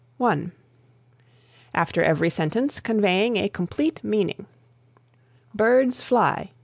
(1) After every sentence conveying a complete meaning: "Birds fly."